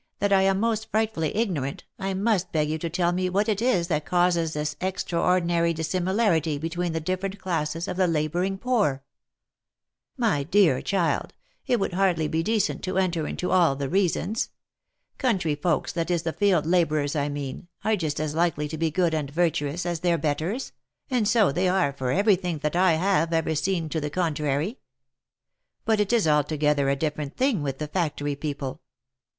that I am most frightfully ignorant, I must beg you to tell me what it is that causes this extraordinary dissimilarity between the different classes of the labouring poor V " My dear child, it would hardly be decent to enter into all the reasons. Country folks, that is the field labourers I mean, are just as likely to be good and virtuous, as their betters, and so they are for every thing that I have ever seen to the contrary. But it is altogether a different thing with the factory people.